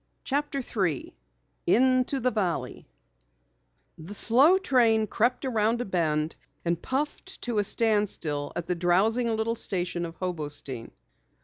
CHAPTER 3 INTO THE VALLEY The slow train crept around a bend and puffed to a standstill at the drowsing little station of Hobostein.